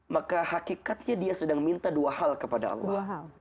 maka hakikatnya dia sedang minta dua hal kepada allah